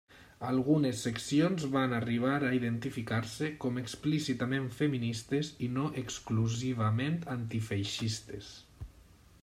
Algunes seccions van arribar a identificar-se com explícitament feministes i no exclusivament antifeixistes.